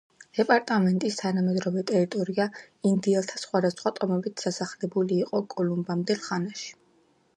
დეპარტამენტის თანამედროვე ტერიტორია ინდიელთა სხვადასხვა ტომებით დასახლებული იყო კოლუმბამდელ ხანაში.